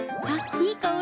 いい香り。